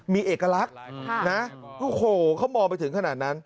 มีเอกลักษณ์นะโอ้โหเขามองไปถึงขนาดนั้น